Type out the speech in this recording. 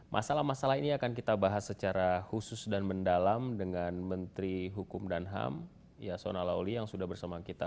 masalah masalah ini akan kita bahas secara khusus dan mendalam dengan menteri hukum dan ham yasona lawli yang sudah bersama kita